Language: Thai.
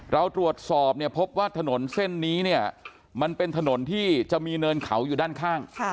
เราตรวจสอบเนี่ยพบว่าถนนเส้นนี้เนี่ยมันเป็นถนนที่จะมีเนินเขาอยู่ด้านข้าง